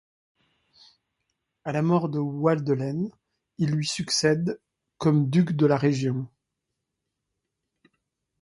À la mort de Waldelène, il lui succède comme duc de la région.